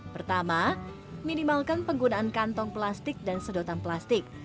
pertama minimalkan penggunaan kantong plastik dan sedotan plastik